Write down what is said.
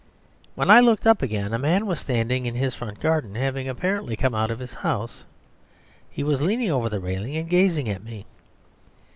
"When I looked up again a man was standing in his front garden, having apparently come out of his house; he was leaning over the railings and gazing at me.